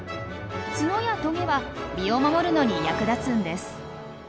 ツノやトゲは身を守るのに役立つんです。